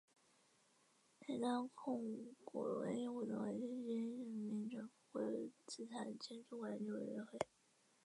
泰达控股的唯一股东为天津市人民政府国有资产监督管理委员会。